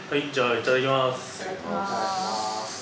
いただきます。